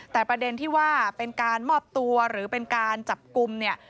แต่ประเด็นที่ว่าเป็นการมอบตัวหรือเป็นการจับกลุ่มเนี่ย